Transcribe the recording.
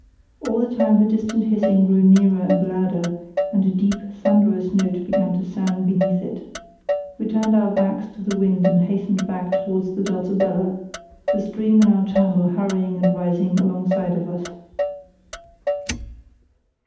All the time the distant hissing grew nearer and louder, and a deep, thunderous note began to sound beneath it. We turned our backs to the wind and hastened back towards the Dulcibella, the stream in our channel hurrying and rising alongside of us.